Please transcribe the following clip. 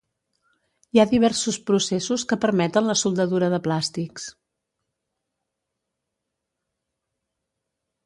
Hi ha diversos processos que permeten la soldadura de plàstics.